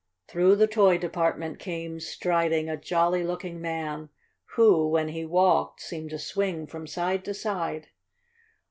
Through the toy department came striding a jolly looking man who, when he walked, seemed to swing from side to side.